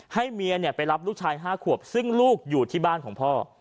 ให้เมียไปรับลูกชาย๕ขวบซึ่งลูกอยู่ที่บ้านของพ่อ